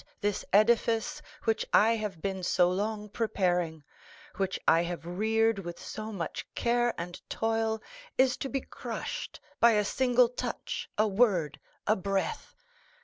this edifice which I have been so long preparing, which I have reared with so much care and toil, is to be crushed by a single touch, a word, a breath!